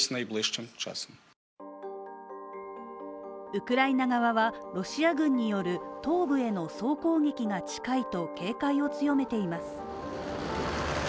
ウクライナ側はロシア軍による東部への総攻撃が近いと警戒を強めています。